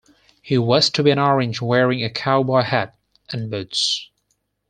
He was to be an orange wearing a cowboy hat and boots.